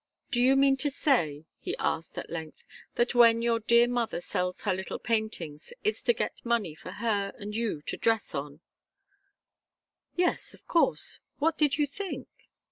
"Do you mean to say," he asked, at length, "that when your dear mother sells her little paintings, it's to get money for her and you to dress on?" "Yes of course. What did you think?"